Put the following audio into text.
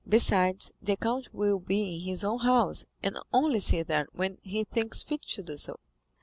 Besides, the count will be in his own house, and only see them when he thinks fit to do so."